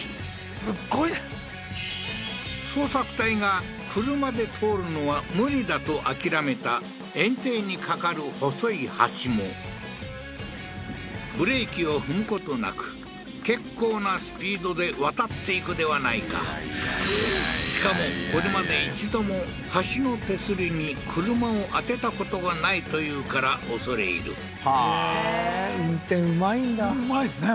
すごいな捜索隊が車で通るのは無理だと諦めた堰堤に架かる細い橋もブレーキを踏むことなく結構なスピードで渡っていくではないかしかもこれまで一度も橋の手すりに車を当てたことがないというから恐れ入るはあーへえー運転うまいんだうまいですね